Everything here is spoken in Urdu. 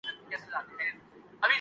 یہ کہانی میں کئی دفعہ سنا چکا ہوں۔